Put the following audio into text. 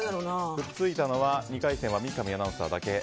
くっついたのは２回戦は三上アナウンサーだけ。